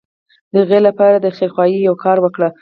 د هغه لپاره د خيرخواهي يو کار وکړي.